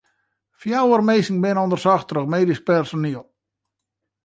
Fjouwer minsken binne ûndersocht troch medysk personiel.